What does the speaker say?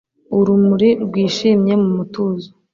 urumuri, rwishimye, mu mutuzo